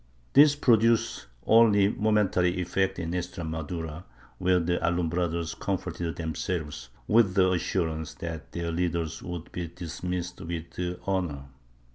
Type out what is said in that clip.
This produced only a momentary effect in Extremadura, where the Alumbrados comforted themselves with the assurance that their leaders would be dismissed with honor.